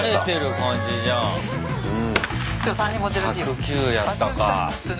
１０９やったか。